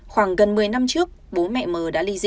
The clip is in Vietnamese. khoảng gần một mươi năm trước bố mẹ m đã ly dị